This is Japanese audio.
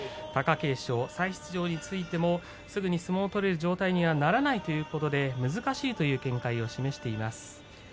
貴景勝、再出場についてもすぐに相撲を取れるような状態にはならないということで難しいという見解を示しています。